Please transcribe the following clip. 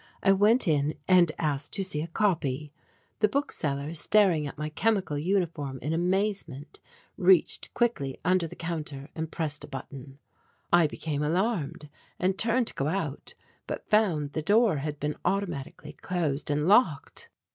I went in and asked to see a copy. The book seller staring at my chemical uniform in amazement reached quickly under the counter and pressed a button. I became alarmed and turned to go out but found the door had been automatically closed and locked.